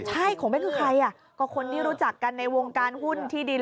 ใช่ของแม่คือใครอ่ะก็คนที่รู้จักกันในวงการหุ้นที่ดิน